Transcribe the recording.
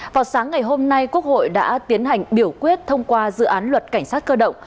vào sáng ngày hôm nay quốc hội đã tiến hành biểu quyết thông qua dự án luật cảnh sát cơ động